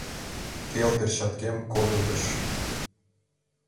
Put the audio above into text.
Пел перчаткем кодылдыш.